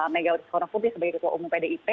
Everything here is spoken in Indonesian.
megawati sekolah publik sebagai ketua umum pdip